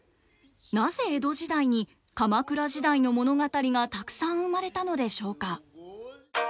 なぜ江戸時代に鎌倉時代の物語がたくさん生まれたのでしょうか。